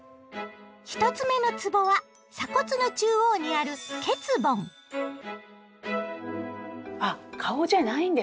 １つ目のつぼは鎖骨の中央にあるあっ顔じゃないんですね。